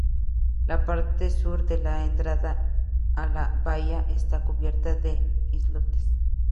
La parte sur de la entrada a la bahía está cubierta de islotes.